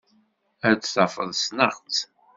Ad tafeḍ ssneɣ-tt.